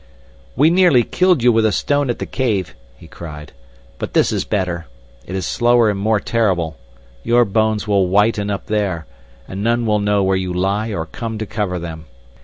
"We nearly killed you with a stone at the cave," he cried; "but this is better. It is slower and more terrible. Your bones will whiten up there, and none will know where you lie or come to cover them.